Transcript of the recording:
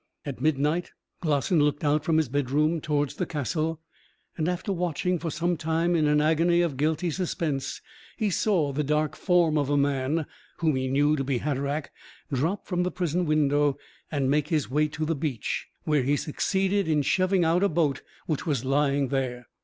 At midnight Glossin looked out from his bedroom towards the castle, and after watching for some time in an agony of guilty suspense, he saw the dark form of a man, whom he knew to be Hatteraick, drop from the prison window and make his way to the beach, where he succeeded in shoving out a boat which was lying there.